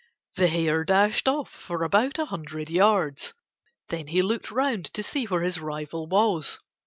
The Hare dashed off for about a hundred yards, then he looked round to see where his rival was.